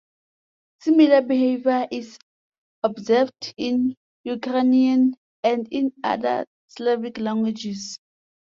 Similar behavior is observed in Ukrainian, and in other Slavic languages.